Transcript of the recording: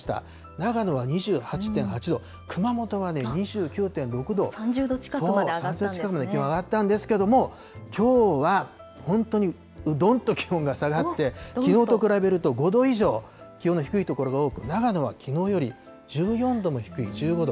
長野は２８．８度、熊本は２９．３０度近くまで上がったんで３０度近くまで気温上がったんですけれども、きょうは本当にうどんと気温が下がって、きのうと比べると５度以上気温の低い所が多く、長野はきのうより１４度も低い１５度。